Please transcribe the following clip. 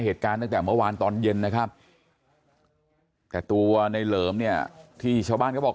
เหตุการณ์ตั้งแต่เมื่อวานตอนเย็นนะครับแต่ตัวในเหลิมเนี่ยที่ชาวบ้านเขาบอก